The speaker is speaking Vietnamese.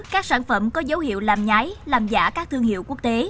các sản phẩm có dấu hiệu làm nhái làm giả các thương hiệu quốc tế